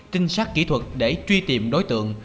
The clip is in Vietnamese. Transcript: tinh sát kỹ thuật để truy tìm đối tượng